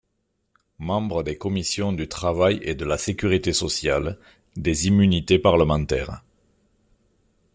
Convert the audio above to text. Membre des Commissions du Travail et de la Sécurité sociale, des Immunités parlementaires.